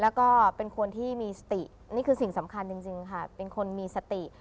แล้วก็เป็นคนที่มีสตินี่คือสิ่งสำคัญจริงค่ะเป็นคนมีสติ